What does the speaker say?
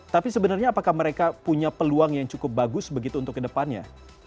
tapi sebenarnya apakah mereka punya peluang yang cukup bagus begitu untuk kedepannya